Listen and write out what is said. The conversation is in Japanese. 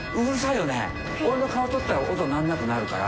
俺の顔撮ったら音鳴んなくなるから。